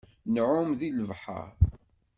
Nεumm deg lebḥer.